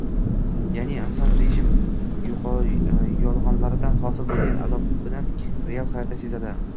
ya’ni, inson rejim yolg‘onlaridan hosil bo‘lgan azobni real hayotda sezadi